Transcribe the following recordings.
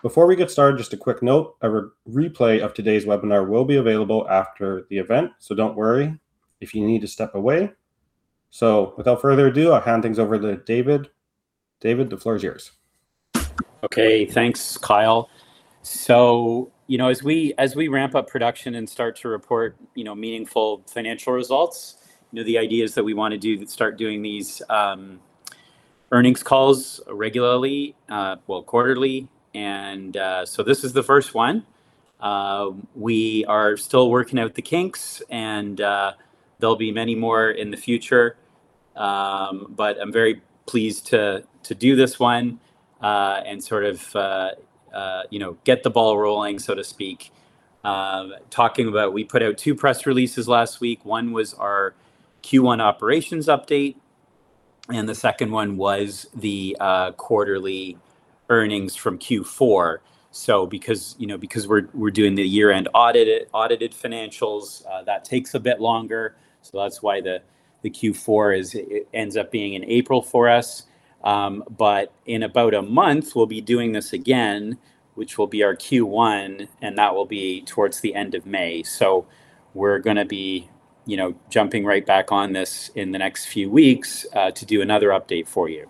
Before we get started, just a quick note. A replay of today's webinar will be available after the event, so don't worry if you need to step away. Without further ado, I'll hand things over to David. David, the floor is yours. Okay, thanks, Kyle. You know, as we ramp up production and start to report, you know, meaningful financial results, you know, the idea is that we wanna start doing these earnings calls regularly, well, quarterly, and so this is the first one. We are still working out the kinks, and there'll be many more in the future. I'm very pleased to do this one and sort of, you know, get the ball rolling, so to speak. Talking about, we put out two press releases last week. One was our Q1 operations update, and the second one was the quarterly earnings from Q4. Because, you know, because we're doing the year-end audited financials, that takes a bit longer, so that's why the Q4 is, it ends up being in April for us. In about a month we'll be doing this again, which will be our Q1, and that will be towards the end of May. We're gonna be, you know, jumping right back on this in the next few weeks to do another update for you.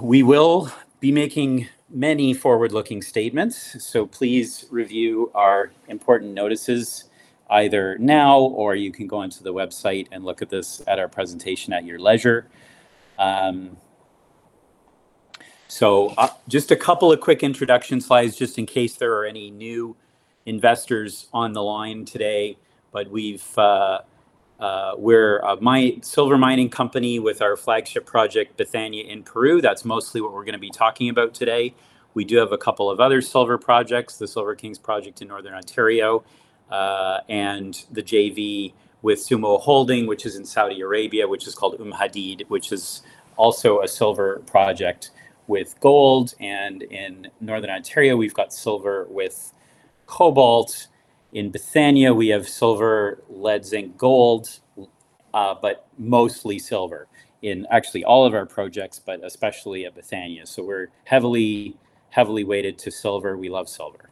We will be making many forward-looking statements, so please review our important notices either now, or you can go onto the website and look at this, at our presentation at your leisure. Just a couple of quick introduction slides just in case there are any new investors on the line today, but we're a silver mining company with our flagship project, Bethania, in Peru. That's mostly what we're gonna be talking about today. We do have a couple of other silver projects, the Silver Kings project in Northern Ontario, and the JV with Sumo Holding, which is in Saudi Arabia, which is called Umm Hadid, which is also a silver project with gold. In Northern Ontario we've got silver with cobalt. In Bethania we have silver, lead, zinc, gold, but mostly silver in actually all of our projects, but especially at Bethania. We're heavily weighted to silver. We love silver.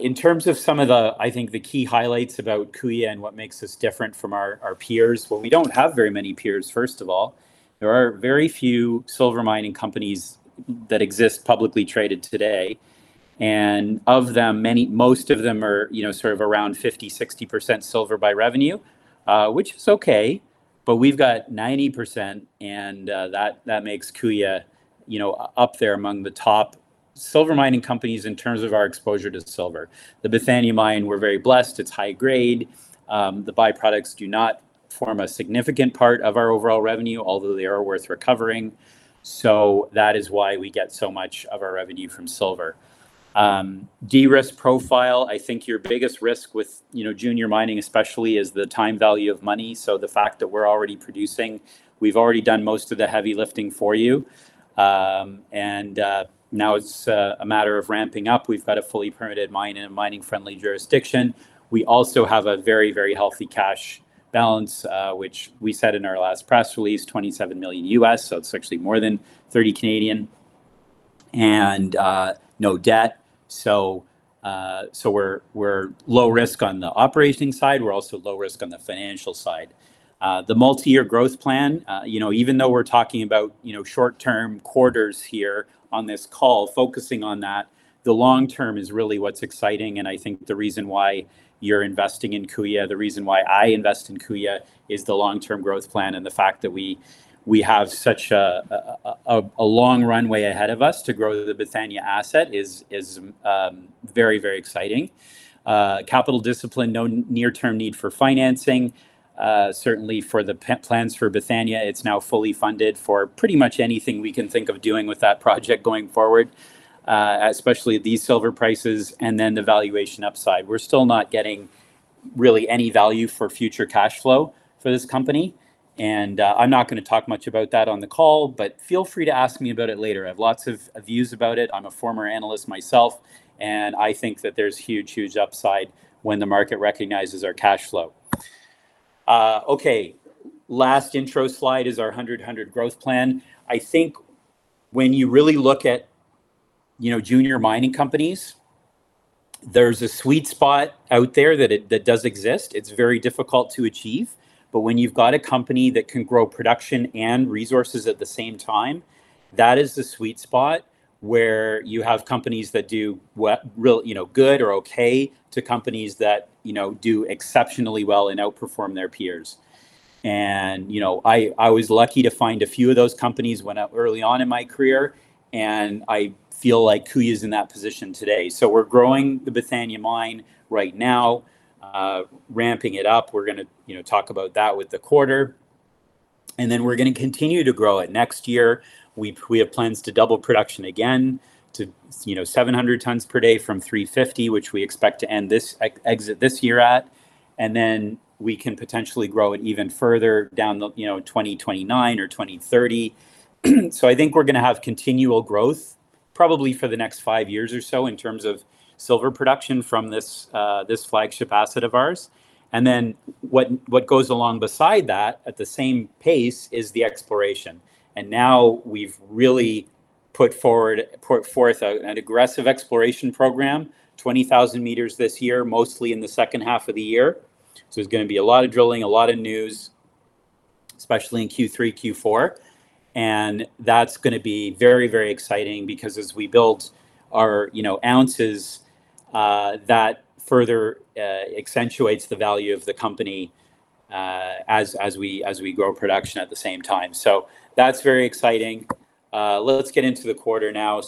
In terms of some of the, I think the key highlights about Kuya and what makes us different from our peers, well, we don't have very many peers, first of all. There are very few silver mining companies that exist publicly traded today, and of them, many, most of them are, you know, sort of around 50%, 60% silver by revenue, which is okay, but we've got 90%, and that makes Kuya, you know, up there among the top silver mining companies in terms of our exposure to silver. The Bethania mine, we're very blessed, it's high grade. The byproducts do not form a significant part of our overall revenue, although they are worth recovering, so that is why we get so much of our revenue from silver. De-risk profile, I think your biggest risk with, you know, junior mining especially, is the time value of money, so the fact that we're already producing, we've already done most of the heavy lifting for you. Now it's a matter of ramping up. We've got a fully permitted mine in a mining-friendly jurisdiction. We also have a very, very healthy cash balance, which we said in our last press release, $27 million, so it's actually more than 30 million, and no debt. We're low risk on the operating side. We're also low risk on the financial side. The multi-year growth plan, you know, even though we're talking about, you know, short-term quarters here on this call, focusing on that, the long term is really what's exciting, and I think the reason why you're investing in Kuya, the reason why I invest in Kuya, is the long-term growth plan and the fact that we have such a long runway ahead of us to grow the Bethania asset is very, very exciting. Capital discipline, no near term need for financing. Certainly for the plans for Bethania, it's now fully funded for pretty much anything we can think of doing with that project going forward, especially at these silver prices. The valuation upside. We're still not getting really any value for future cash flow for this company. I'm not gonna talk much about that on the call, but feel free to ask me about it later. I have lots of views about it. I'm a former Analyst myself, and I think that there's huge, huge upside when the market recognizes our cash flow. Okay. Last intro slide is our 100/100 growth plan. I think when you really look at, you know, junior mining companies, there's a sweet spot out there that does exist. It's very difficult to achieve, but when you've got a company that can grow production and resources at the same time, that is the sweet spot where you have companies that do what, real, you know, good or okay to companies that, you know, do exceptionally well and outperform their peers. You know, I was lucky to find a few of those companies when early on in my career, and I feel like Kuya's in that position today. We're growing the Bethania mine right now, ramping it up. We're gonna, you know, talk about that with the quarter. Then we're gonna continue to grow it. Next year we have plans to double production again to you know, 700 tons per day from 350, which we expect to end this exit this year at, and then we can potentially grow it even further down the, you know, 2029 or 2030. I think we're gonna have continual growth, probably for the next five years or so in terms of silver production from this flagship asset of ours. Then what goes along beside that at the same pace is the exploration. Now we've really put forth an aggressive exploration program, 20,000 meters this year, mostly in the second half of the year. There's going to be a lot of drilling, a lot of news, especially in Q3, Q4. That's going to be very, very exciting because as we build our, you know, ounces, that further accentuates the value of the company as we grow production at the same time. That's very exciting. Let's get into the quarter now.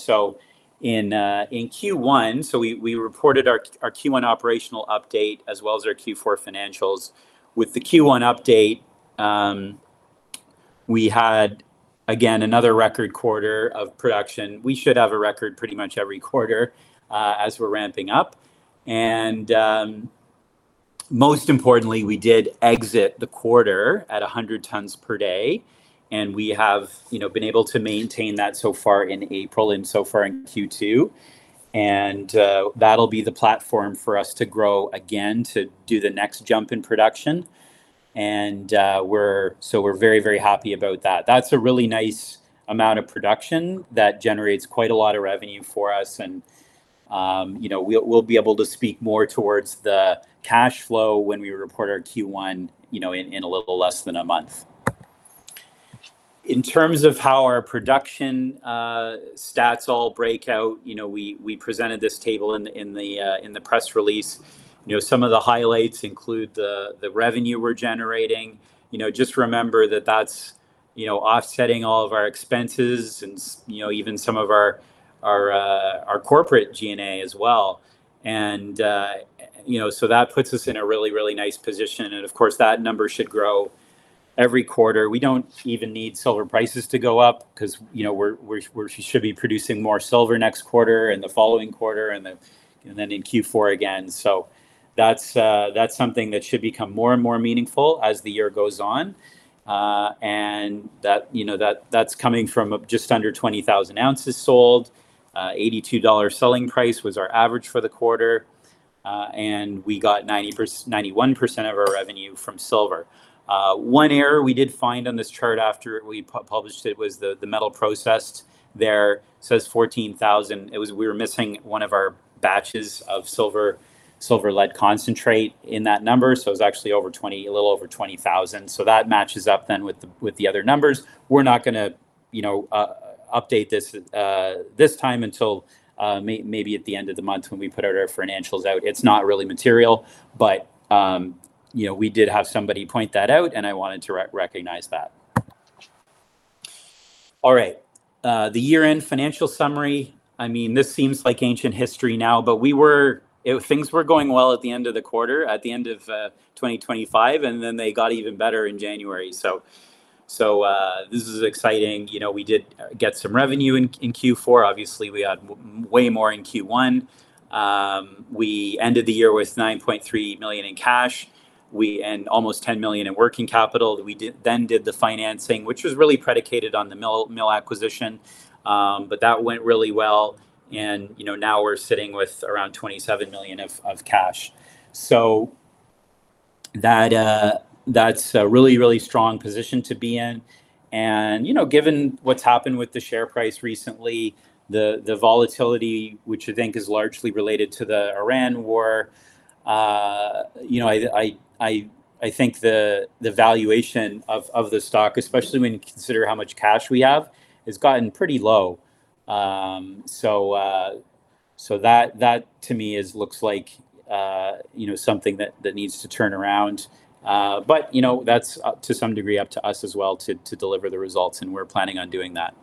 In Q1, we reported our Q1 operational update as well as our Q4 financials. With the Q1 update, we had again, another record quarter of production. We should have a record pretty much every quarter as we're ramping up. Most importantly, we did exit the quarter at 100 tons per day, and we have, you know, been able to maintain that so far in April and so far in Q2. That'll be the platform for us to grow again to do the next jump in production. We're very, very happy about that. That's a really nice amount of production that generates quite a lot of revenue for us and, you know, we'll be able to speak more towards the cash flow when we report our Q1, you know, in a little less than one month. In terms of how our production stats all break out, you know, we presented this table in the press release. You know, some of the highlights include the revenue we're generating. You know, just remember that that's, you know, offsetting all of our expenses and you know, even some of our corporate G&A as well. That puts us in a really, really nice position, and of course, that number should grow every quarter. We don't even need silver prices to go up 'cause we should be producing more silver next quarter and the following quarter and then in Q4 again. That's something that should become more and more meaningful as the year goes on. That's coming from just under 20,000 ounces sold. $82 selling price was our average for the quarter. We got 91% of our revenue from silver. One error we did find on this chart after we published it was the metal processed there says 14,000. We were missing one of our batches of silver lead concentrate in that number. It was actually over 20, a little over 20,000. That matches up with the other numbers. We're not gonna, you know, update this this time until maybe at the end of the month when we put out our financials out. It's not really material, you know, we did have somebody point that out. I wanted to recognize that. All right. The year-end financial summary, I mean, this seems like ancient history now, we were. Things were going well at the end of the quarter, at the end of 2025, and then they got even better in January. This is exciting. You know, we did get some revenue in Q4. Obviously, we had way more in Q1. We ended the year with $9.3 million in cash and almost $10 million in working capital. We then did the financing, which was really predicated on the mill acquisition. That went really well and, you know, now we're sitting with around $27 million of cash. That's a really strong position to be in. You know, given what's happened with the share price recently, the volatility, which I think is largely related to the Iran war, you know, I think the valuation of the stock, especially when you consider how much cash we have, has gotten pretty low. That to me looks like, you know, something that needs to turn around. You know, that's up to some degree up to us as well to deliver the results, and we're planning on doing that.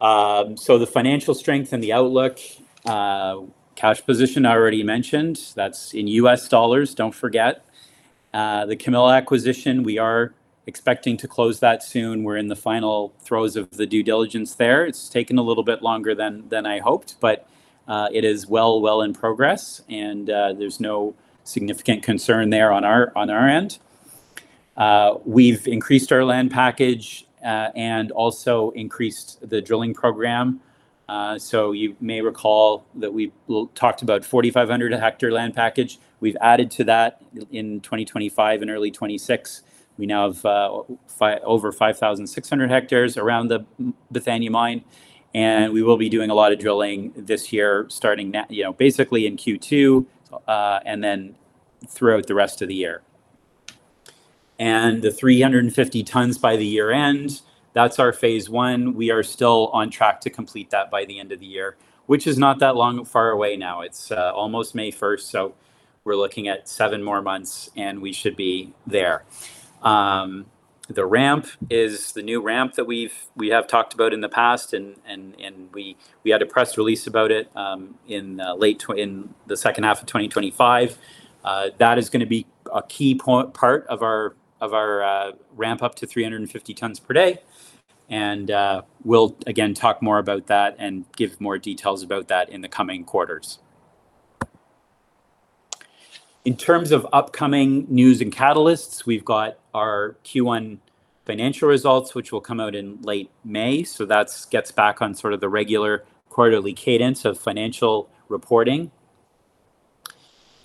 The financial strength and the outlook, cash position I already mentioned. That's in U.S dollars, don't forget. The Camila acquisition, we are expecting to close that soon. We're in the final throes of the due diligence there. It's taken a little bit longer than I hoped, it is well in progress, and there's no significant concern there on our end. We've increased our land package and also increased the drilling program. You may recall that we talked about 4,500 hectare land package. We've added to that in 2025 and early 2026. We now have over 5,600 hectares around the Bethania mine, and we will be doing a lot of drilling this year starting you know, basically in Q2, throughout the rest of the year. The 350 tons by the year end, that's our phase one. We are still on track to complete that by the end of the year, which is not that long far away now. It's almost May 1st, so we're looking at seven more months, and we should be there. The ramp is the new ramp that we have talked about in the past, and we had a press release about it in the second half of 2025. That is gonna be a key part of our ramp up to 350 tons per day. We'll again talk more about that and give more details about that in the coming quarters. In terms of upcoming news and catalysts, we've got our Q1 financial results, which will come out in late May. That's gets back on sort of the regular quarterly cadence of financial reporting.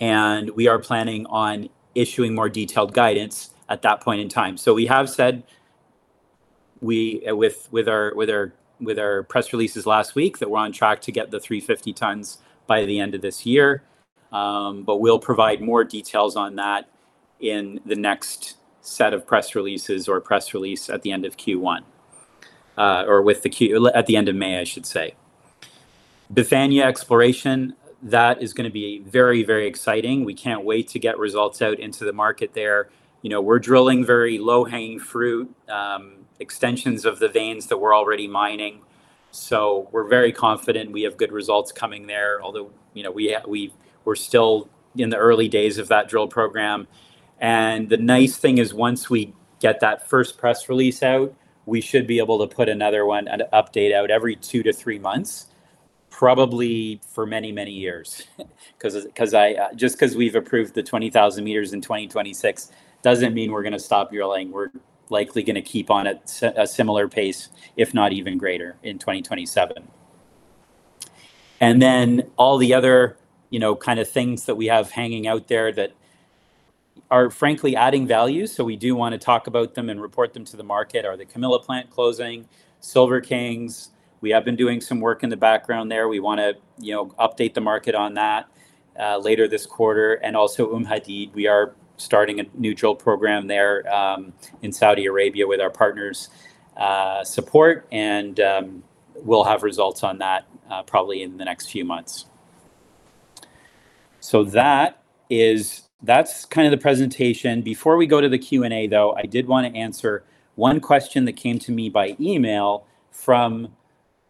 We are planning on issuing more detailed guidance at that point in time. We have said with our press releases last week that we're on track to get the 350 tons by the end of this year. We'll provide more details on that in the next set of press releases or press release at the end of Q1, or with the at the end of May, I should say. Bethania exploration, that is gonna be very, very exciting. We can't wait to get results out into the market there. You know, we're drilling very low-hanging fruit, extensions of the veins that we're already mining, so we're very confident we have good results coming there, although you know, we're still in the early days of that drill program. The nice thing is once we get that first press release out, we should be able to put another one, an update out every two to three months, probably for many, many years. Just because we've approved the 20,000 meters in 2026 doesn't mean we're gonna stop drilling. We're likely gonna keep on at a similar pace, if not even greater, in 2027. All the other, you know, kinda things that we have hanging out there that are frankly adding value, so we do wanna talk about them and report them to the market, are the Camila Plant closing. Silver Kings, we have been doing some work in the background there. We wanna, you know, update the market on that later this quarter. Also Hadid, we are starting a new drill program there, in Saudi Arabia with our partners' support, and we'll have results on that probably in the next few months. That is, that's kind of the presentation. Before we go to the Q&A though, I did want to answer one question that came to me by email from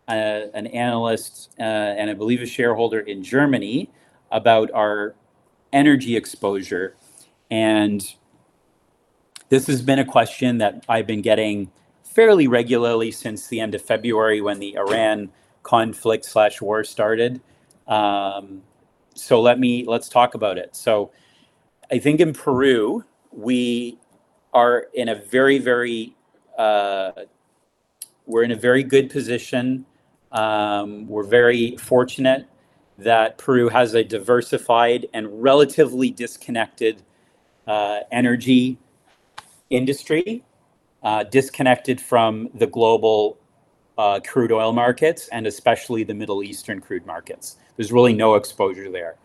an analyst, and I believe a shareholder in Germany about our energy exposure. This has been a question that I've been getting fairly regularly since the end of February when the Iran conflict/war started. Let's talk about it. I think in Peru we are in a very, very good position. We're very fortunate that Peru has a diversified and relatively disconnected energy industry, disconnected from the global crude oil markets, and especially the Middle Eastern crude markets. There's really no exposure there.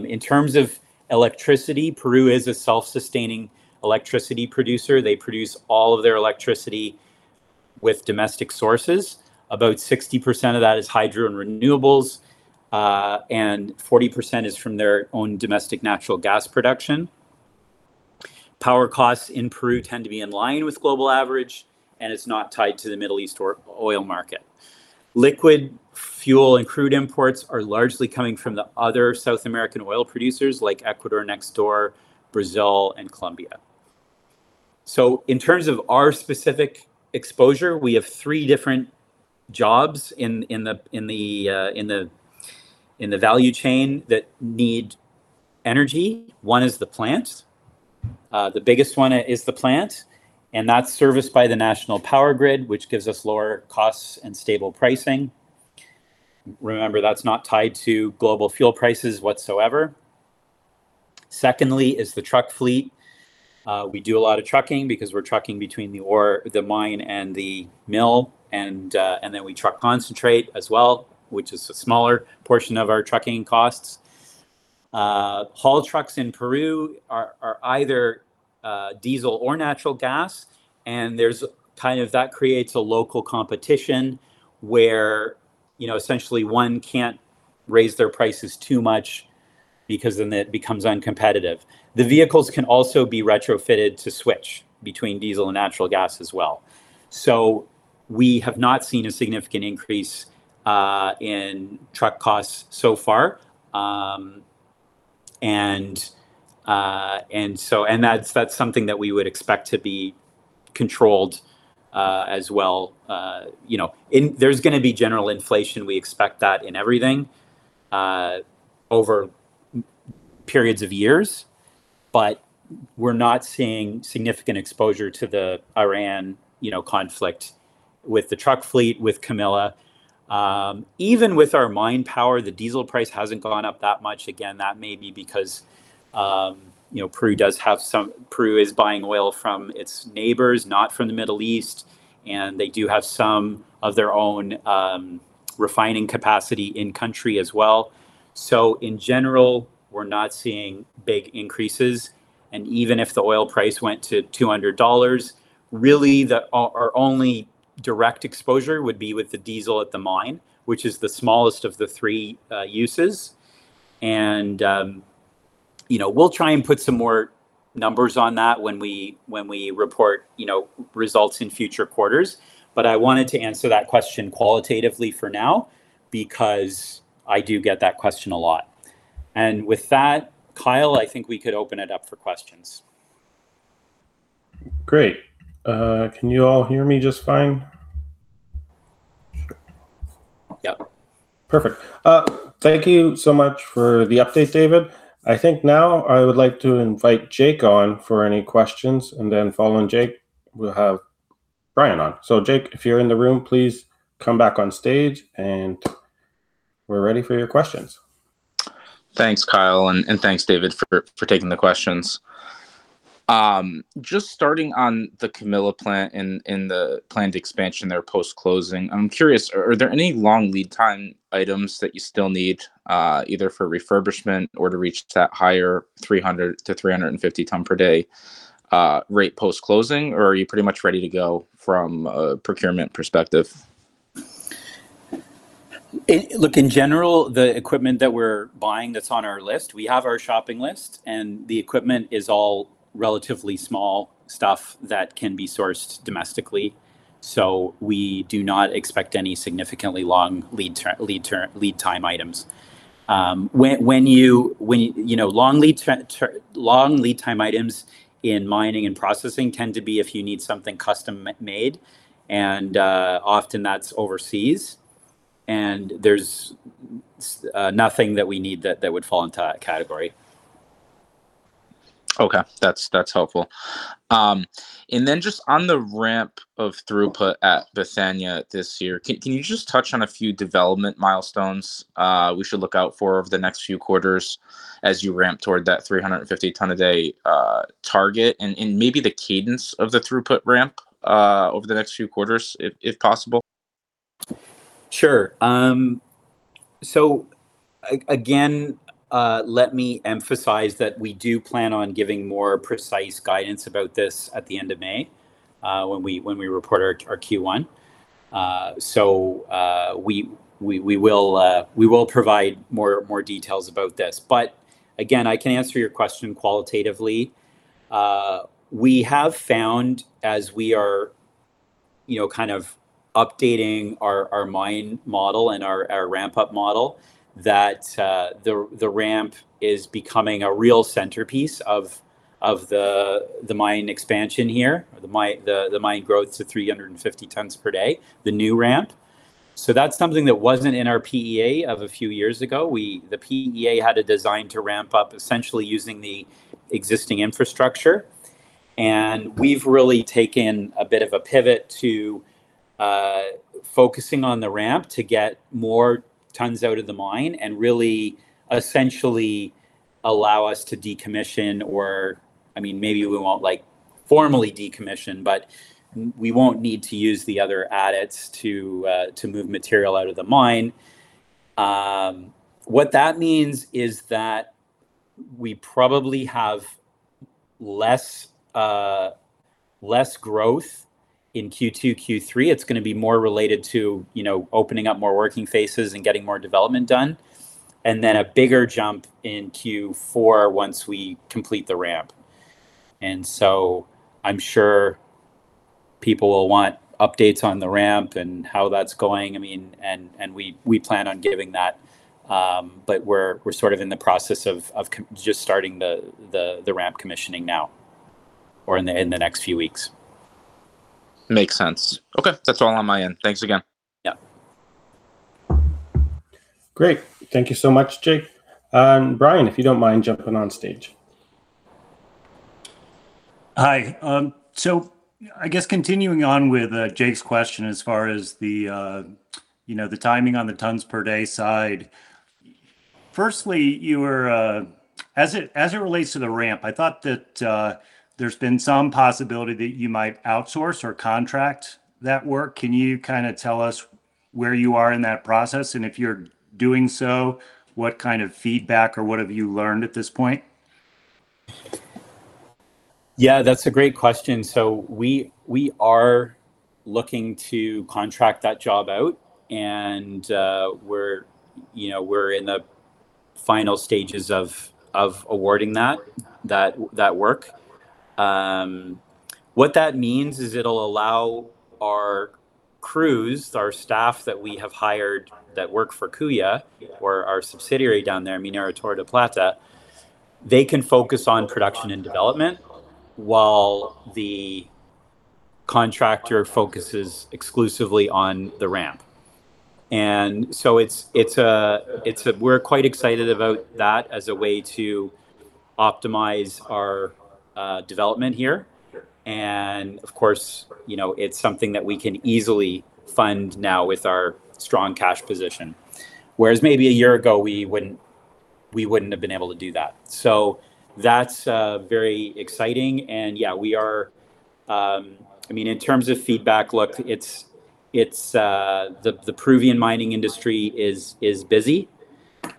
In terms of electricity, Peru is a self-sustaining electricity producer. They produce all of their electricity with domestic sources. About 60% of that is hydro and renewables, and 40% is from their own domestic natural gas production. Power costs in Peru tend to be in line with global average, and it's not tied to the Middle East or oil market. Liquid fuel and crude imports are largely coming from the other South American oil producers like Ecuador next door, Brazil, and Colombia. In terms of our specific exposure, we have three different jobs in the value chain that need energy. One is the plant. The biggest one is the plant, and that's serviced by the national power grid, which gives us lower costs and stable pricing. Remember, that's not tied to global fuel prices whatsoever. Secondly is the truck fleet. We do a lot of trucking because we're trucking between the ore, the mine, and the mill, and then we truck concentrate as well, which is a smaller portion of our trucking costs. Haul trucks in Peru are either diesel or natural gas, that creates a local competition where, you know, essentially one can't raise their prices too much because then it becomes uncompetitive. The vehicles can also be retrofitted to switch between diesel and natural gas as well. We have not seen a significant increase in truck costs so far. That's something that we would expect to be controlled as well. You know, there's gonna be general inflation. We expect that in everything over periods of years, but we're not seeing significant exposure to the Iran, you know, conflict with the truck fleet, with Camila. Even with our mine power, the diesel price hasn't gone up that much. Again, that may be because, you know, Peru is buying oil from its neighbors, not from the Middle East, and they do have some of their own refining capacity in country as well. In general, we're not seeing big increases, and even if the oil price went to $200, really our only direct exposure would be with the diesel at the mine, which is the smallest of the three uses. You know, we'll try and put some more numbers on that when we, when we report, you know, results in future quarters, but I wanted to answer that question qualitatively for now because I do get that question a lot. With that, Kyle, I think we could open it up for questions. Great. Can you all hear me just fine? Yep. Perfect. Thank you so much for the update, David. I think now I would like to invite Jake on for any questions, and then following Jake we'll have Brian on. Jake, if you're in the room, please come back on stage, and we're ready for your questions. Thanks, Kyle, and thanks, David, for taking the questions. Just starting on the Camila Plant and the planned expansion there post-closing, I'm curious, are there any long lead time items that you still need either for refurbishment or to reach that higher 300 ton to 350 ton per day rate post-closing, or are you pretty much ready to go from a procurement perspective? Look, in general, the equipment that we're buying that's on our list, we have our shopping list, the equipment is all relatively small stuff that can be sourced domestically, so we do not expect any significantly long lead turn, lead time items. When you know, long lead turn, long lead time items in mining and processing tend to be if you need something custom made, often that's overseas and there's nothing that we need that would fall into that category. Okay. That's helpful. Just on the ramp of throughput at Bethania this year, can you just touch on a few development milestones we should look out for over the next few quarters as you ramp toward that 350 tons a day target and maybe the cadence of the throughput ramp over the next few quarters if possible? Sure. Again, let me emphasize that we do plan on giving more precise guidance about this at the end of May, when we report our Q1. We will provide more details about this. Again, I can answer your question qualitatively. We have found as we are, you know, kind of updating our mine model and our ramp-up model that the ramp is becoming a real centerpiece of the mine expansion here, the mine growth to 350 tons per day, the new ramp. That's something that wasn't in our PEA of a few years ago. The PEA had a design to ramp up essentially using the existing infrastructure. We've really taken a bit of a pivot to focusing on the ramp to get more tons out of the mine and really essentially allow us to decommission or, I mean, maybe we won't, like, formally decommission, but we won't need to use the other adits to move material out of the mine. What that means is that we probably have less, less growth in Q2, Q3. It's gonna be more related to, you know, opening up more working faces and getting more development done. Then a bigger jump in Q4 once we complete the ramp. I'm sure people will want updates on the ramp and how that's going. I mean, and we plan on giving that, but we're sort of in the process of just starting the ramp commissioning now or in the next few weeks. Makes sense. Okay. That's all on my end. Thanks again. Yeah. Great. Thank you so much, Jake. Brian, if you don't mind jumping on stage. Hi. I guess continuing on with Jake's question as far as the, you know, the timing on the tons per day side. As it relates to the ramp, I thought that there's been some possibility that you might outsource or contract that work. Can you kinda tell us where you are in that process? If you're doing so, what kind of feedback or what have you learned at this point? Yeah, that's a great question. We are looking to contract that job out, and we're, you know, we're in the final stages of awarding that work. What that means is it'll allow our crews, our staff that we have hired that work for Kuya or our subsidiary down there, Minera Toro de Plata, they can focus on production and development while the contractor focuses exclusively on the ramp. We're quite excited about that as a way to optimize our development here. Of course, you know, it's something that we can easily fund now with our strong cash position, whereas maybe a year ago we wouldn't have been able to do that. That's very exciting. Yeah, we are. I mean, in terms of feedback, look it's the Peruvian mining industry is busy.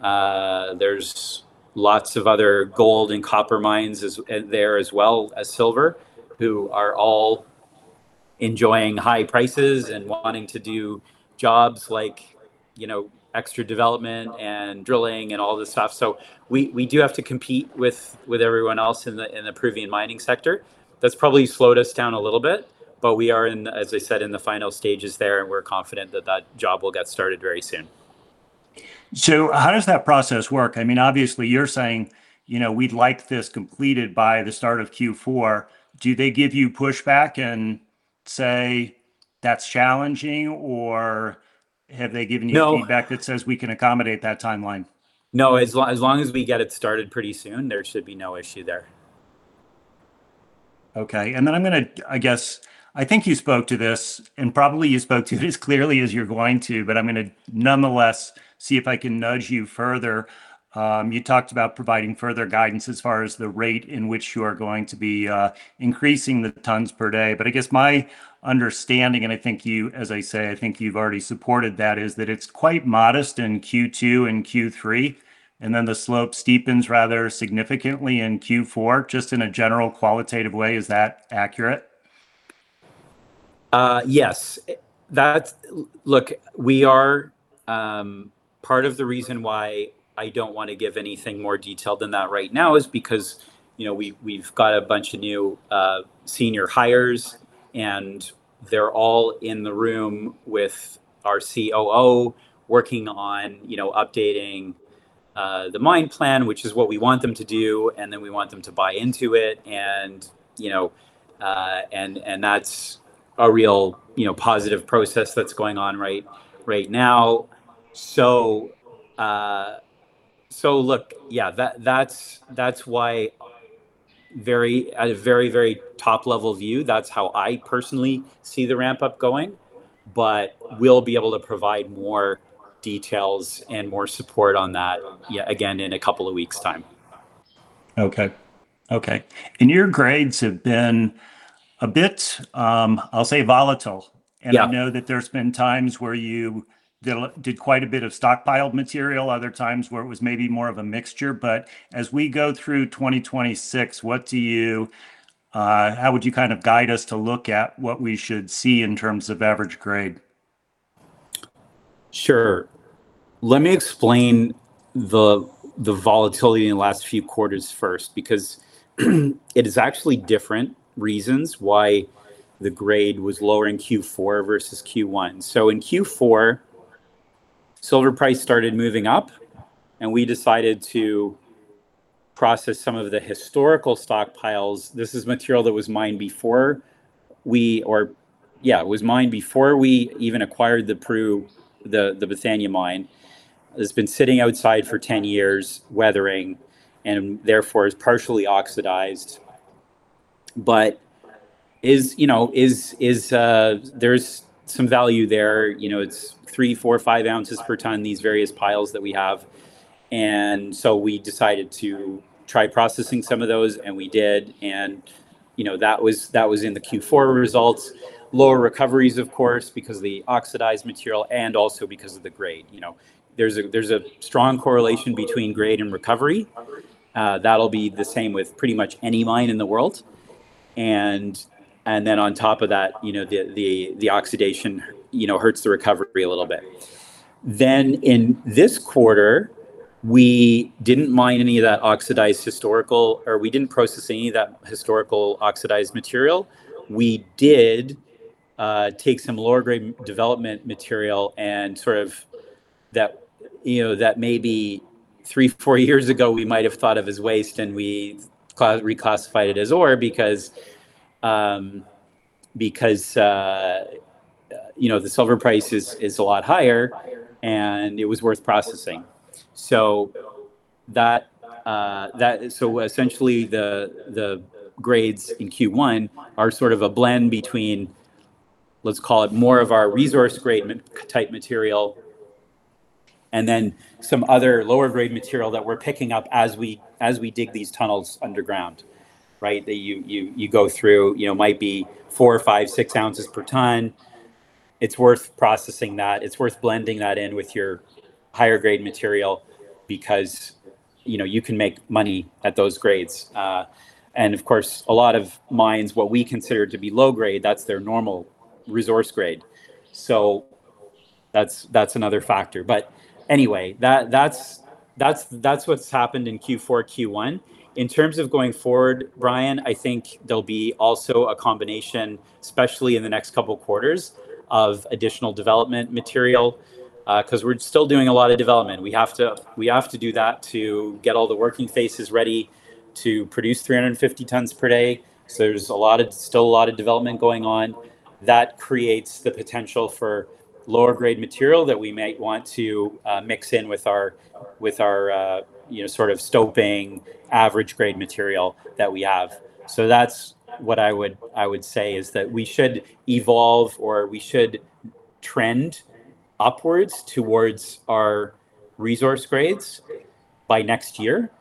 There's lots of other gold and copper mines as well as silver who are all enjoying high prices and wanting to do jobs like, you know, extra development and drilling and all this stuff. We do have to compete with everyone else in the Peruvian mining sector. That's probably slowed us down a little bit, but we are in, as I said, in the final stages there, and we're confident that job will get started very soon. How does that process work? I mean, obviously you're saying, you know, We'd like this completed by the start of Q4. Do they give you pushback and say, That's challenging, or have they given you? No Feedback that says, "We can accommodate that timeline"? No, as long as we get it started pretty soon, there should be no issue there. Okay. Then I'm gonna, I guess, I think you spoke to this, and probably you spoke to it as clearly as you're going to, but I'm gonna nonetheless see if I can nudge you further. You talked about providing further guidance as far as the rate in which you are going to be increasing the tons per day. I guess my understanding, and I think you, as I say, I think you've already supported that, is that it's quite modest in Q2 and Q3, and then the slope steepens rather significantly in Q4. Just in a general qualitative way, is that accurate? Yes. That's. Look, we are part of the reason why I don't wanna give anything more detailed than that right now is because, you know, we've got a bunch of new senior hires, and they're all in the room with our Chief Operating Officer working on, you know, updating the mine plan, which is what we want them to do, and then we want them to buy into it. You know, and that's a real, you know, positive process that's going on right now. Look, yeah, that's, that's why very, at a very, very top level view, that's how I personally see the ramp up going. We'll be able to provide more details and more support on that yeah, again, in a couple of weeks' time. Okay. Okay. Your grades have been a bit, I'll say volatile. Yeah. I know that there's been times where you did quite a bit of stockpiled material, other times where it was maybe more of a mixture. As we go through 2026, what do you, how would you kind of guide us to look at what we should see in terms of average grade? Sure. Let me explain the volatility in the last few quarters first, because it is actually different reasons why the grade was lower in Q4 versus Q1. In Q4, silver price started moving up, and we decided to process some of the historical stockpiles. This is material that was mined before we acquired the Peru, the Bethania mine. It's been sitting outside for 10 years weathering, and therefore is partially oxidized, but is, you know, is some value there. You know, it's 3, 4, 5 ounces per ton, these various piles that we have. We decided to try processing some of those, and we did. You know, that was in the Q4 results. Lower recoveries of course, because the oxidized material and also because of the grade. You know, there's a strong correlation between grade and recovery. That'll be the same with pretty much any mine in the world. Then on top of that, you know, the oxidation, you know, hurts the recovery a little bit. In this quarter, we didn't mine any of that oxidized historical, or we didn't process any of that historical oxidized material. We did, take some lower grade development material and sort of, that, you know, that maybe three, four years ago we might have thought of as waste and we reclassified it as ore because, you know, the silver price is a lot higher and it was worth processing. That, essentially the grades in Q1 are sort of a blend between, let's call it more of our resource grade type material, and then some other lower grade material that we're picking up as we dig these tunnels underground. Right? That you go through, you know, might be 4 or 5, 6 ounces per ton. It's worth processing that. It's worth blending that in with your higher grade material because, you know, you can make money at those grades. Of course a lot of mines, what we consider to be low grade, that's their normal resource grade. That's what's happened in Q4, Q1. In terms of going forward, Brian, I think there'll be also a combination, especially in the next couple quarters, of additional development material, 'cause we're still doing a lot of development. We have to do that to get all the working faces ready to produce 350 tons per day. There's still a lot of development going on. That creates the potential for lower grade material that we might want to mix in with our, you know, sort of stoping average grade material that we have. That's what I would say is that we should evolve or we should trend upwards towards our resource grades by next year.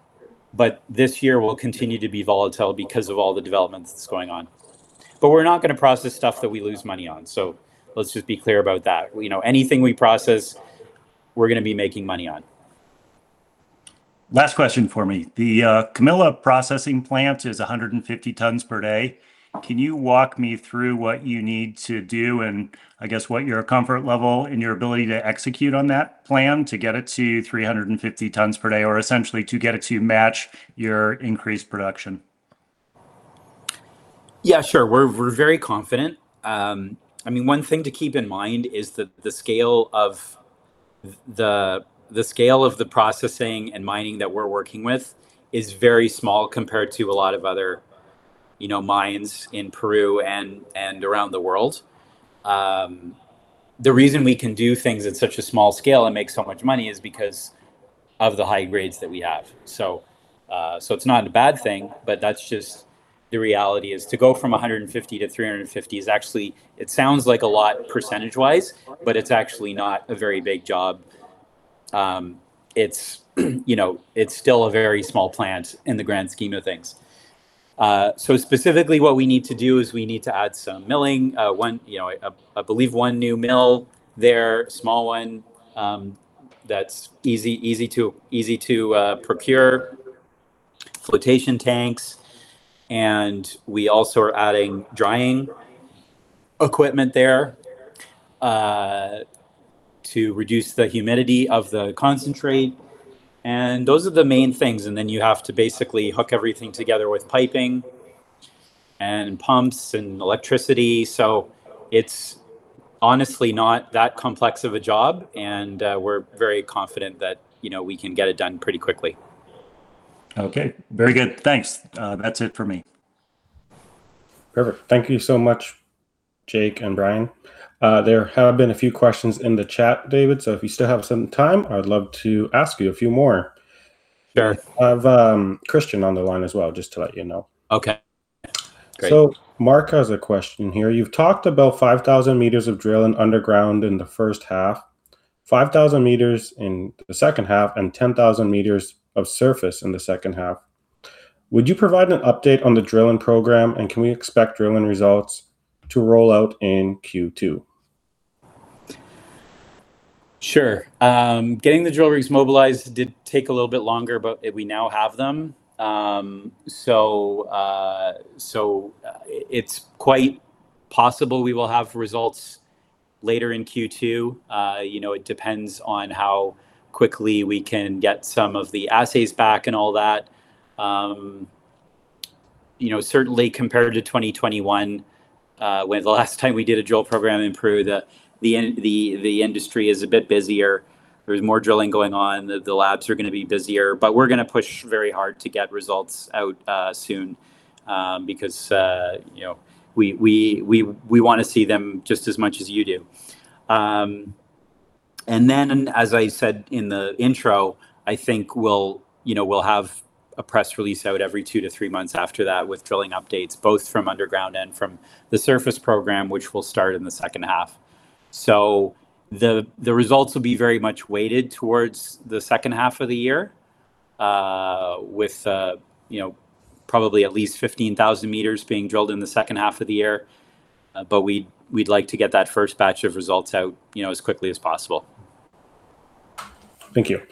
This year will continue to be volatile because of all the developments that's going on. We're not gonna process stuff that we lose money on. Let's just be clear about that. You know, anything we process, we're gonna be making money on. Last question for me. The Camila processing plant is 150 tons per day. Can you walk me through what you need to do and I guess what your comfort level and your ability to execute on that plan to get it to 350 tons per day, or essentially to get it to match your increased production? Yeah, sure. We're very confident. I mean, one thing to keep in mind is that the scale of the processing and mining that we're working with is very small compared to a lot of other, you know, mines in Peru and around the world. The reason we can do things at such a small scale and make so much money is because of the high grades that we have. It's not a bad thing, but that's just the reality, is to go from 150 to 350 is actually, it sounds like a lot percentage-wise, but it's actually not a very big job. You know, it's still a very small plant in the grand scheme of things. Specifically what we need to do is we need to add some milling. One, you know, a, I believe one new mill there, a small one, that's easy to procure. Flotation tanks, and we also are adding drying equipment there, to reduce the humidity of the concentrate, and those are the main things. Then you have to basically hook everything together with piping and pumps and electricity. It's honestly not that complex of a job and, we're very confident that, you know, we can get it done pretty quickly. Okay. Very good. Thanks. That's it for me. Perfect. Thank you so much, Jake and Brian. There have been a few questions in the chat, David, so if you still have some time, I would love to ask you a few more. Sure. I have Christian on the line as well, just to let you know. Okay. Great. Mark has a question here. You've talked about 5,000 meters of drilling underground in the first half, 5,000 meters in the second half, and 10,000 meters of surface in the second half. Would you provide an update on the drilling program, and can we expect drilling results to roll out in Q2? Sure. Getting the drill rigs mobilized did take a little bit longer, but we now have them. It's quite possible we will have results later in Q2. You know, it depends on how quickly we can get some of the assays back and all that. You know, certainly compared to 2021, when the last time we did a drill program in Peru, the industry is a bit busier. There's more drilling going on. The labs are going to be busier, but we're going to push very hard to get results out soon, because, you know, we want to see them just as much as you do. Then as I said in the intro, I think we'll, you know, we'll have a press release out every two to three months after that with drilling updates, both from underground and from the surface program, which will start in the second half. The results will be very much weighted towards the second half of the year, with probably at least 15,000 meters being drilled in the second half of the year. We'd, we'd like to get that first batch of results out, you know, as quickly as possible. Thank you.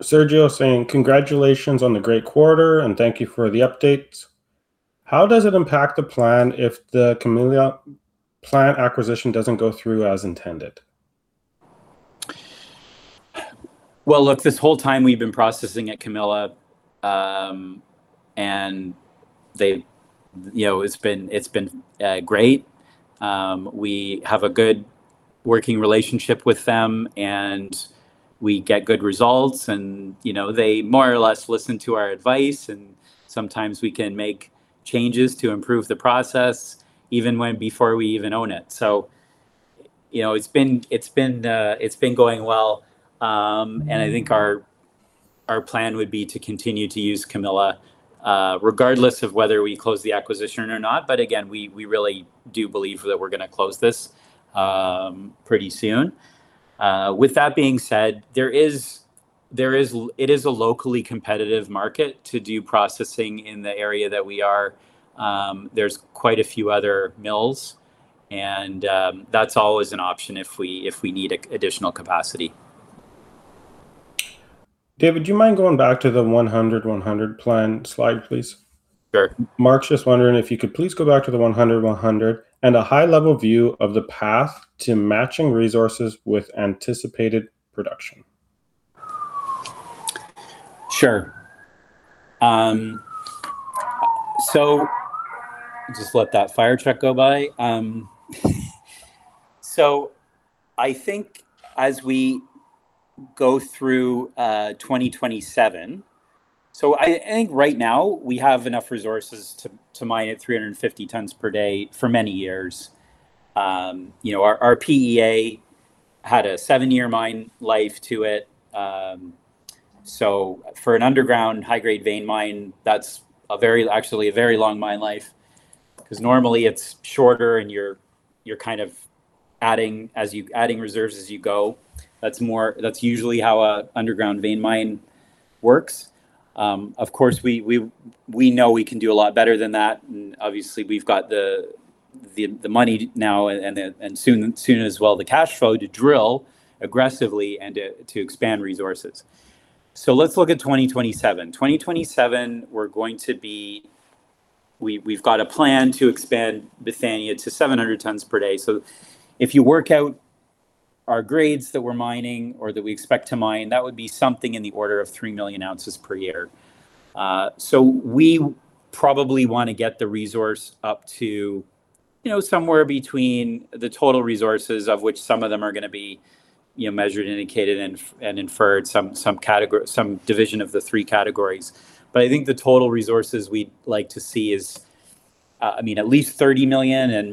Sergio is saying, "Congratulations on the great quarter, and thank you for the updates. How does it impact the plan if the Camila Plant acquisition doesn't go through as intended? Well, look, this whole time we've been processing at Camila, You know, it's been great. We have a good working relationship with them and we get good results and, you know, they more or less listen to our advice and sometimes we can make changes to improve the process even when before we even own it. You know, it's been going well. I think our plan would be to continue to use Camila regardless of whether we close the acquisition or not. We really do believe that we're gonna close this pretty soon. With that being said, it is a locally competitive market to do processing in the area that we are. There's quite a few other mills and that's always an option if we need a additional capacity. David, do you mind going back to the 100 100 plan slide please? Sure. Mark's just wondering if you could please go back to the 100 100 and a high-level view of the path to matching resources with anticipated production. Sure. Just let that fire truck go by. I think as we go through 2027, I think right now we have enough resources to mine at 350 tons per day for many years. You know, our PEA had a seven-year mine life to it. For an underground high grade vein mine, that's actually a very long mine life, because normally it's shorter and you're kind of adding reserves as you go. That's more, that's usually how an underground vein mine works. Of course we know we can do a lot better than that and obviously we've got the money now and soon as well, the cash flow to drill aggressively and to expand resources. Let's look at 2027. We've got a plan to expand Bethania to 700 tons per day. If you work out our grades that we're mining or that we expect to mine, that would be something in the order of 3 million ounces per year. We probably want to get the resource up to, you know, somewhere between the total resources of which some of them are going to be Measured, Indicated and Inferred, some division of the three categories. I think the total resources we'd like to see is, I mean, at least 30 million ounces and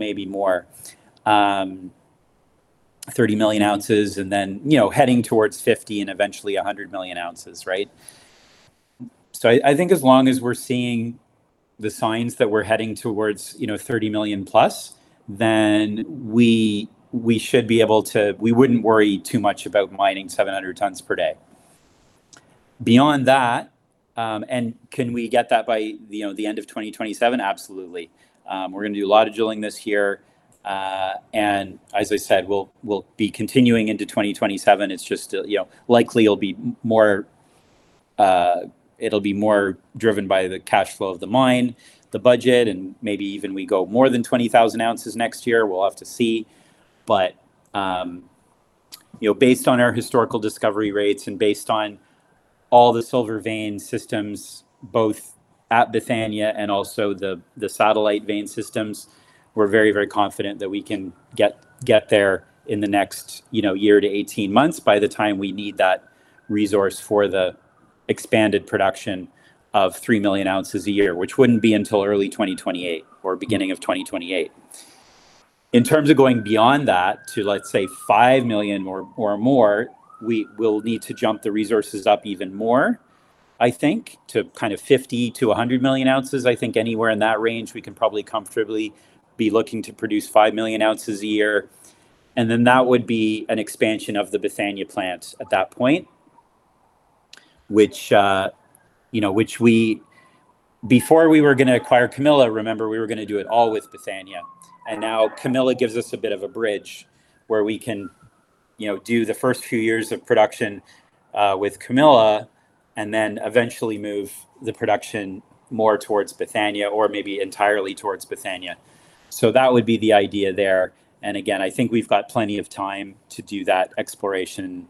maybe more. 30 million ounces, you know, heading towards 50 million ounces and eventually 100 million ounces, right? I think as long as we're seeing the signs that we're heading towards, you know, $30 million plus, we wouldn't worry too much about mining 700 tons per day. Beyond that, can we get that by the end of 2027? Absolutely. We're going to do a lot of drilling this year. As I said, we'll be continuing into 2027. It's just, you know, likely it'll be more driven by the cash flow of the mine, the budget, and maybe even we go more than 20,000 ounces next year. We'll have to see. You know, based on our historical discovery rates and based on all the silver vein systems, both at Bethania and also the satellite vein systems, we're very confident that we can get there in the next, you know, year to 18 months by the time we need that resource for the expanded production of 3 million ounces a year, which wouldn't be until early 2028 or beginning of 2028. In terms of going beyond that to, let's say, 5 million or more, we will need to jump the resources up even more, I think, to kind of 50 million ounces-100 million ounces. I think anywhere in that range, we can probably comfortably be looking to produce 5 million ounces a year. That would be an expansion of the Bethania plant at that point, which, you know, which we, before we were going to acquire Camila, remember, we were going to do it all with Bethania. Now Camila gives us a bit of a bridge where we can, you know, do the first few years of production with Camila and then eventually move the production more towards Bethania or maybe entirely towards Bethania. That would be the idea there. Again, I think we've got plenty of time to do that exploration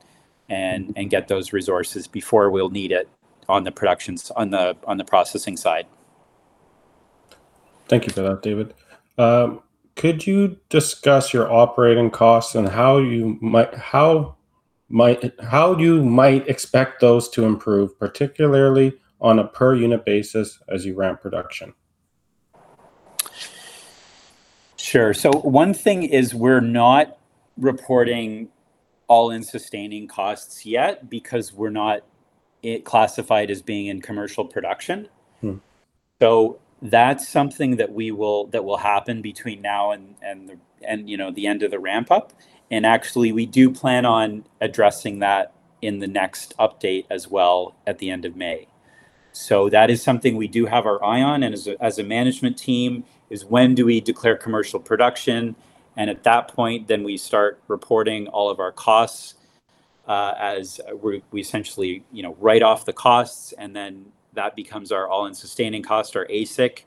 and get those resources before we'll need it on the production, on the processing side. Thank you for that, David. Could you discuss your operating costs and how you might expect those to improve, particularly on a per unit basis as you ramp production? Sure. One thing is we're not reporting All-in Sustaining Costs yet because we're not classified as being in Commercial Production. That's something that will happen between now and the end of the ramp up. Actually, we do plan on addressing that in the next update as well at the end of May. That is something we do have our eye on and as a management team is when do we declare Commercial Production? At that point, then we start reporting all of our costs as we essentially write off the costs and then that becomes our All-in Sustaining Cost or AISC.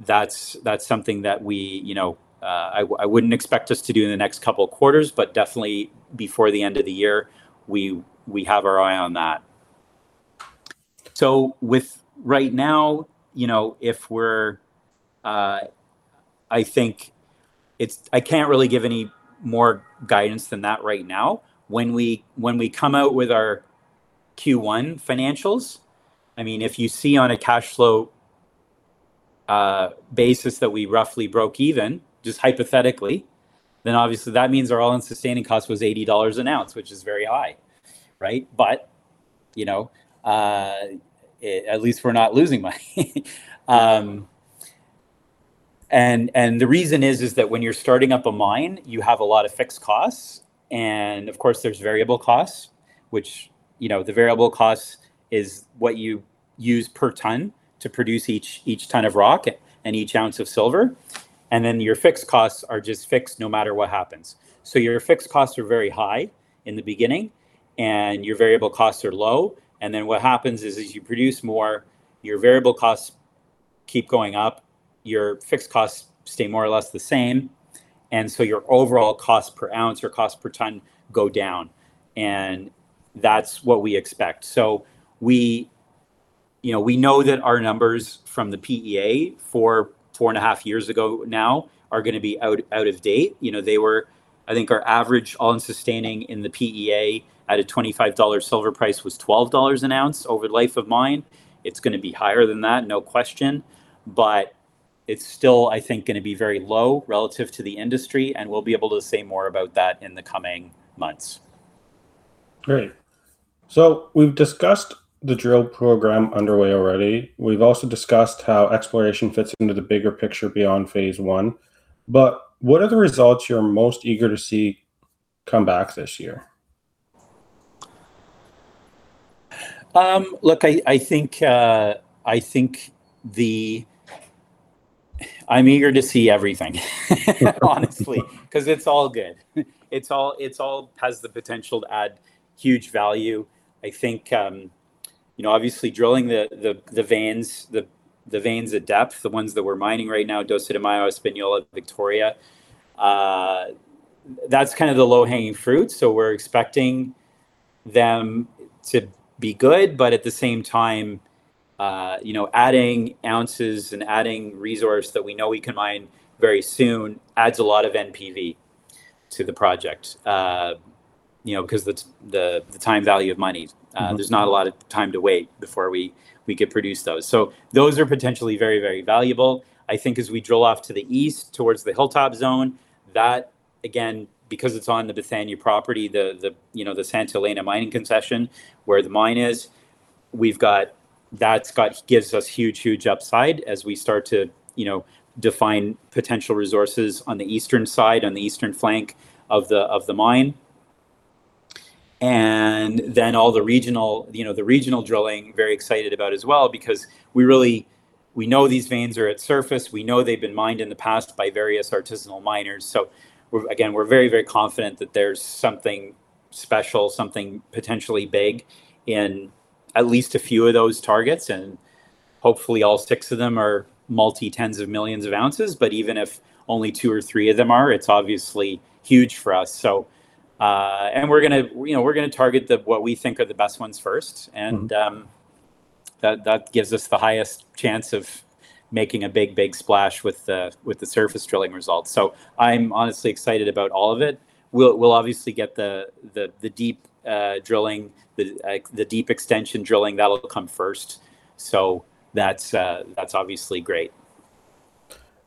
That's something that we, you know, I wouldn't expect us to do in the next couple of quarters, but definitely before the end of the year, we have our eye on that. With right now, you know, if we're, I think it's, I can't really give any more guidance than that right now. When we come out with our Q1 financials, I mean, if you see on a cash flow basis that we roughly broke even just hypothetically, then obviously that means our All-in Sustaining Costs was $80 an ounce, which is very high. Right. You know, at least we're not losing money. The reason is that when you're starting up a mine, you have a lot of fixed costs. Of course, there's variable costs, which, you know, the variable costs is what you use per ton to produce each ton of rock and each ounce of silver. Your fixed costs are just fixed no matter what happens. Your fixed costs are very high in the beginning and your variable costs are low. What happens is as you produce more, your variable costs keep going up. Your fixed costs stay more or less the same. Your overall cost per ounce or cost per ton go down. That's what we expect. We you know, we know that our numbers from the PEA for four and a half years ago now are going to be out of date. You know, they were I think our average All-in Sustaining Costs in the PEA at a $25 silver price was $12 an ounce over life of mine. It's going to be higher than that. No question. It's still, I think, going to be very low relative to the industry. We'll be able to say more about that in the coming months. Great. We've discussed the drill program underway already. We've also discussed how exploration fits into the bigger picture beyond phase one. What are the results you're most eager to see come back this year? Look, I think the I'm eager to see everything, honestly, because it's all good. It's all has the potential to add huge value. I think. You know, obviously drilling the veins, the veins at depth, the ones that we're mining right now, Dos de Mayo, Espanola, Victoria, that's kind of the low-hanging fruit. We're expecting them to be good, but at the same time, you know, adding ounces and adding resource that we know we can mine very soon adds a lot of NPV to the project. You know, because the time value of money. There's not a lot of time to wait before we could produce those. Those are potentially very, very valuable. I think as we drill off to the east towards the hilltop zone, that again, because it's on the Bethania property, you know, the Santa Elena mining concession where the mine is, gives us huge upside as we start to, you know, define potential resources on the eastern side, on the eastern flank of the mine. All the regional, you know, the regional drilling, very excited about as well, because we know these veins are at surface. We know they've been mined in the past by various artisanal miners. We're, again, very confident that there's something special, something potentially big in at least a few of those targets. Hopefully all 6 of them are multi-tens of millions of ounces. Even if only two or three of them are, it's obviously huge for us. We're gonna, you know, we're gonna target the, what we think are the best ones first. That gives us the highest chance of making a big splash with the surface drilling results. I'm honestly excited about all of it. We'll obviously get the deep drilling, the deep extension drilling, that'll come first. That's obviously great.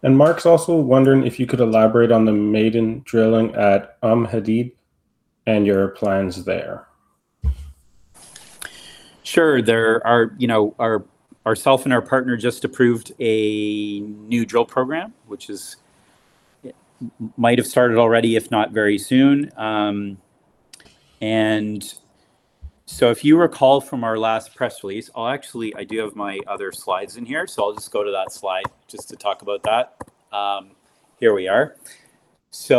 Mark's also wondering if you could elaborate on the maiden drilling at Umm Hadid and your plans there. Sure. There are, you know, ourself and our partner just approved a new drill program, which it might have started already, if not very soon. I do have my other slides in here, so I'll just go to that slide just to talk about that. Here we are. This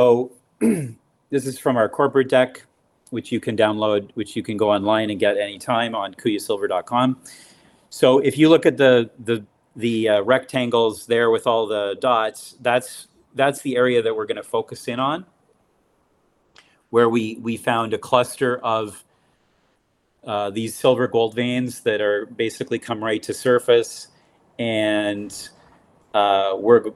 is from our corporate deck, which you can download, which you can go online and get any time on kuyasilver.com. If you look at the rectangles there with all the dots, that's the area that we're gonna focus in on, where we found a cluster of these silver-gold veins that are basically come right to surface. We're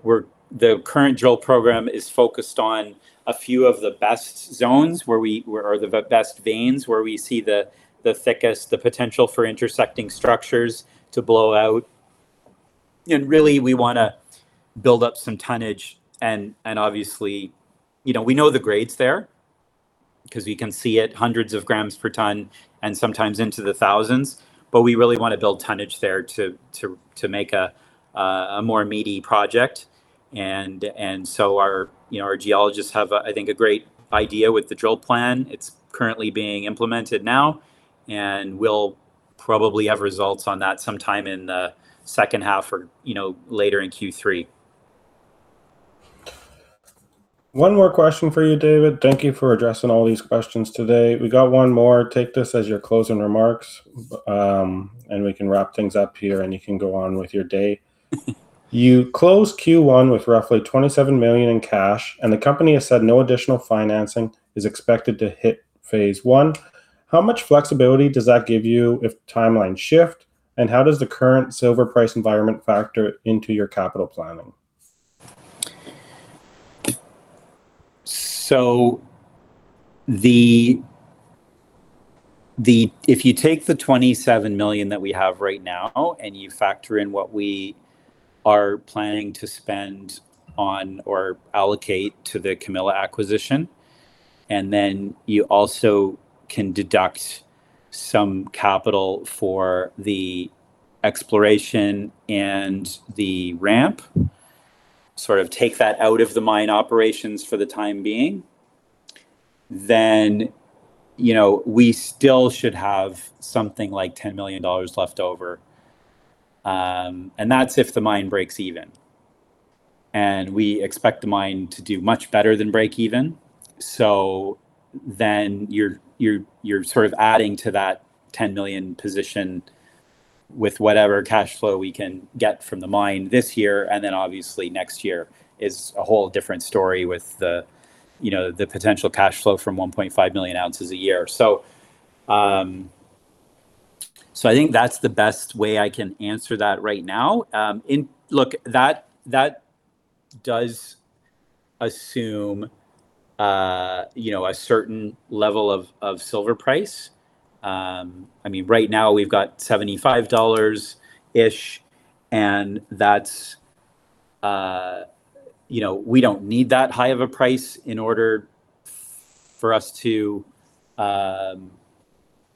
the current drill program is focused on a few of the best zones where are the best veins, where we see the thickest potential for intersecting structures to blow out. Really we want to build up some tonnage and obviously, you know, we know the grades there because we can see it 100s of grams per ton and sometimes into the 1,000s, but we really want to build tonnage there to make a more meaty project. Our, you know, our geologists have, I think, a great idea with the drill plan. It's currently being implemented now, and we'll probably have results on that sometime in the second half or, you know, later in Q3. One more question for you, David. Thank you for addressing all these questions today. We got one more. Take this as your closing remarks. We can wrap things up here and you can go on with your day. You closed Q1 with roughly $27 million in cash, and the company has said no additional financing is expected to hit phase one. How much flexibility does that give you if timelines shift, and how does the current silver price environment factor into your capital planning? If you take the $27 million that we have right now and you factor in what we are planning to spend on or allocate to the Camila acquisition, and then you also can deduct some capital for the exploration and the ramp, sort of take that out of the mine operations for the time being, then, you know, we still should have something like $10 million left over. That's if the mine breaks even. We expect the mine to do much better than break even. You're sort of adding to that $10 million position with whatever cash flow we can get from the mine this year. Obviously next year is a whole different story with the, you know, the potential cash flow from 1.5 million ounces a year. I think that's the best way I can answer that right now. In, look, that does assume, you know, a certain level of silver price. I mean, right now we've got $75-ish, and that's, you know, we don't need that high of a price in order for us to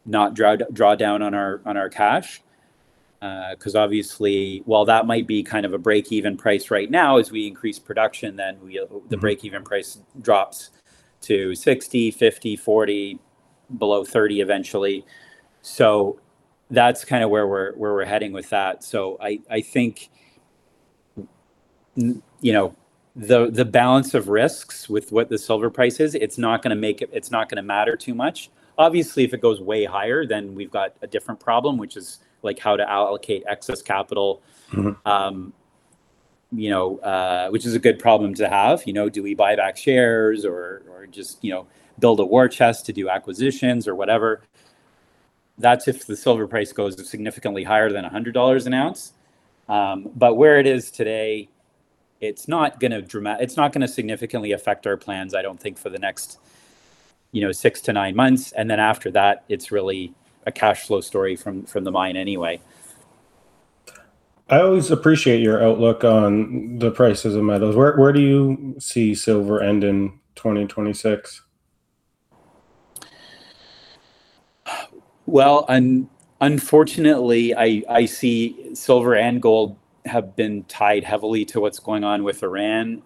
not draw down on our, on our cash. 'Cause obviously while that might be kind of a break even price right now, as we increase production, then we. Mm-hmm The break even price drops to $60, $50, $40, below $30 eventually. That's kinda where we're heading with that. I think, you know, the balance of risks with what the silver price is, it's not gonna make it's not gonna matter too much. Obviously, if it goes way higher, we've got a different problem, which is, like, how to allocate excess capital. Mm-hmm. You know, which is a good problem to have. You know, do we buy back shares or just, you know, build a war chest to do acquisitions or whatever? That's if the silver price goes to significantly higher than $100 an ounce. But where it is today, it's not gonna significantly affect our plans, I don't think, for the next, you know, 6 to 9 months. After that, it's really a cash flow story from the mine anyway. I always appreciate your outlook on the prices of metals. Where do you see silver end in 2026? Well, unfortunately, I see silver and gold have been tied heavily to what's going on with Iran,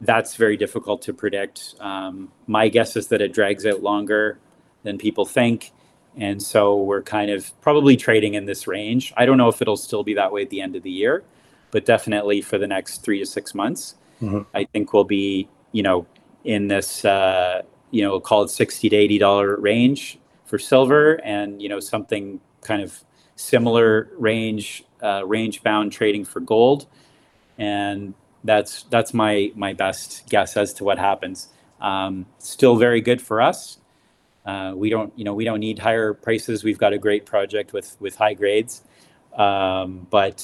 that's very difficult to predict. My guess is that it drags out longer than people think, we're kind of probably trading in this range. I don't know if it'll still be that way at the end of the year, definitely for the next three to six months. Mm-hmm. I think we'll be, you know, in this, you know, call it $60-$80 range for silver and, you know, something kind of similar range-bound trading for gold. That's my best guess as to what happens. Still very good for us. We don't, you know, we don't need higher prices. We've got a great project with high grades. Obviously,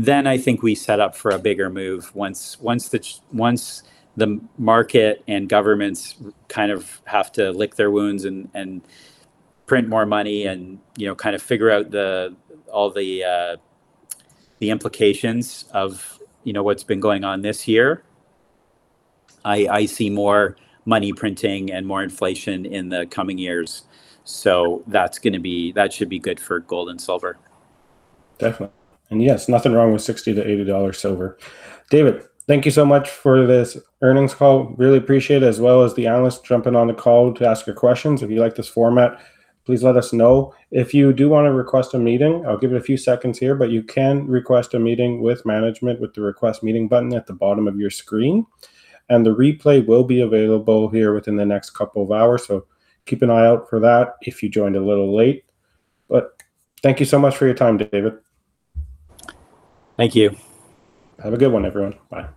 then I think we set up for a bigger move once the market and governments kind of have to lick their wounds, print more money, you know, kind of figure out the, all the implications of, you know, what's been going on this year. I see more money printing and more inflation in the coming years. That's gonna be. That should be good for gold and silver. Definitely. Yes, nothing wrong with $60-$80 silver. David, thank you so much for this earnings call. Really appreciate it, as well as the analysts jumping on the call to ask their questions. If you like this format, please let us know. If you do wanna request a meeting, I'll give it a few seconds here. You can request a meeting with management with the Request Meeting button at the bottom of your screen. The replay will be available here within the next couple of hours. Keep an eye out for that if you joined a little late. Thank you so much for your time, David. Thank you. Have a good one, everyone. Bye. Bye.